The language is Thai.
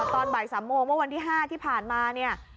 ตอนบ่าย๓โมงเมื่อวันที่๕ที่ผ่านมาเนี่ย